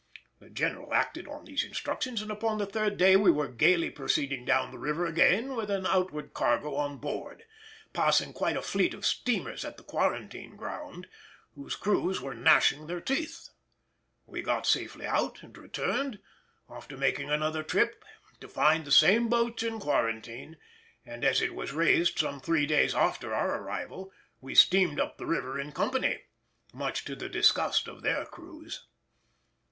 The General acted on these instructions, and upon the third day we were gaily proceeding down the river again with an outward cargo on board, passing quite a fleet of steamers at the quarantine ground, whose crews were gnashing their teeth. We got safely out and returned, after making another trip, to find the same boats in quarantine, and, as it was raised some three days after our arrival, we steamed up the river in company, much to the disgust of their crews.